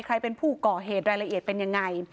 ใครเป็นผู้ก่อเหตุรายละเอียดเป็นยังไง